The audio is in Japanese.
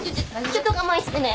ちょっと我慢してね。